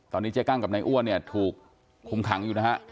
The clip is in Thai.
ตอนนี้เจ๊กั้งกับนายอ้วนเนี่ยถูกคุมขังอยู่นะฮะ